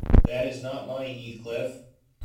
That is not my Heathcliff.